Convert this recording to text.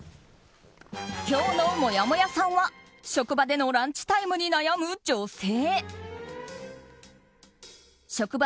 今日のもやもやさんは職場でのランチタイムに悩む女性。